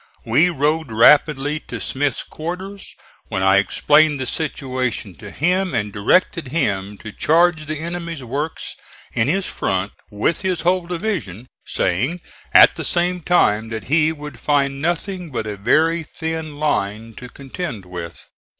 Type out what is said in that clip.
We rode rapidly to Smith's quarters, when I explained the situation to him and directed him to charge the enemy's works in his front with his whole division, saying at the same time that he would find nothing but a very thin line to contend with.